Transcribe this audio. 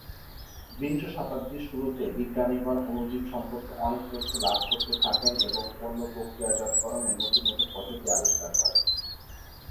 বিংশ শতাব্দীর শুরুতে বিজ্ঞানীগণ অণুজীব সম্পর্কে অনেক তথ্য লাভ করতে থাকেন এবং পণ্য প্রক্রিয়াজাতকরণের নতুন নতুন পদ্ধতি আবিষ্কার করেন।